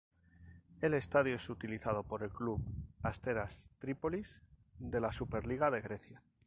El estadio es utilizado por el club Asteras Tripolis de la Superliga de Grecia.